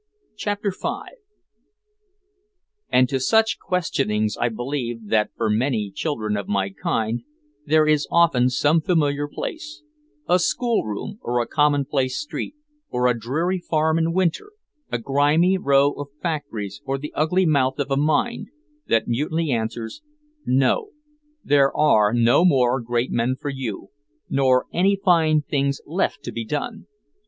CHAPTER V And to such questionings I believe that for many children of my kind there is often some familiar place a schoolroom or a commonplace street, or a dreary farm in winter, a grimy row of factories or the ugly mouth of a mine that mutely answers, "No. There are no more great men for you, nor any fine things left to be done.